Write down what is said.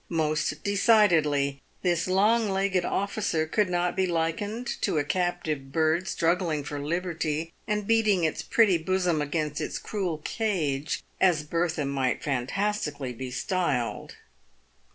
Most decidedly this long legged officer could not be likened to a captive bird struggling for liberty, and beating its pretty bosom against its cruel cage, as Bertha might fantastically be styled.